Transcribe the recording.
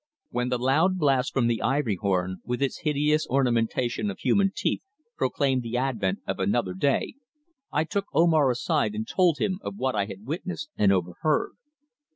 When the loud blasts from the ivory horn, with its hideous ornamentation of human teeth, proclaimed the advent of another day I took Omar aside and told him of what I had witnessed and overheard.